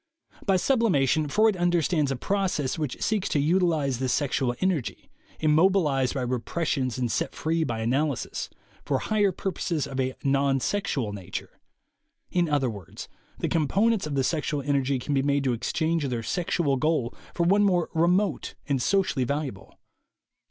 By sublimation, Freud understands a process* which seeks to utilize the sexual energy, immobilized by repressions and set free by analysis, for higher purposes of a non sexual nature. In other words, the components of the sexual energy can be made to exchange their sexual goal for one more remote and socially valu able.